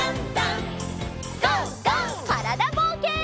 からだぼうけん。